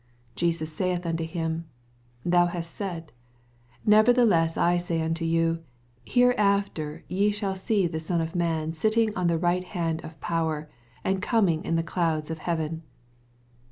64 Jesus saith unto him, Thou hast said: nevertheless I say unto you, Hereafter shall ye see the Son of man sitting on the fight hand of power^ and coming in the clouds of hea ven.